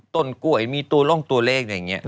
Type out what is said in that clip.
ตลกุ่ยมีตัวล่องตัวเลขอย่างเงี้ย